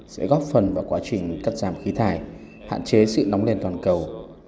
sẽ góp phần vào quá trình cắt giảm khí thải hạn chế sự nóng lên toàn cầu